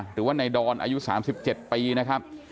หรือว่าในดอนอายุ๓๗ปีนะครับ